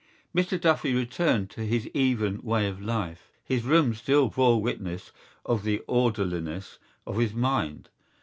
Mr Duffy returned to his even way of life. His room still bore witness of the orderliness of his mind.